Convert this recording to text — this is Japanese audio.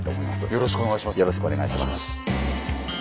よろしくお願いします。